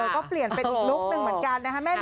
ก็เปลี่ยนเป็นอีกลุคหนึ่งเหมือนกันนะคะ